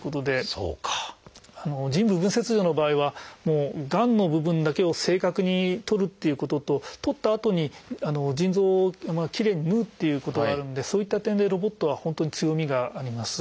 腎部分切除の場合はがんの部分だけを正確にとるっていうことととったあとに腎臓をきれいに縫うっていうことがあるんでそういった点でロボットは本当に強みがあります。